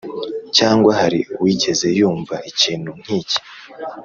cyangwa hari uwigeze yumva ikintu nk’iki?